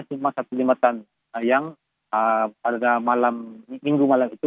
cuma satu jembatan yang pada malam minggu malam itu